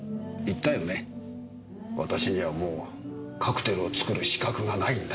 私にはもうカクテルを作る資格がないんだよ。